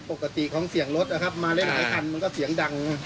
ปกติของเสียงรถนะครับมาเล่นหลายคันมันก็เสียงดัง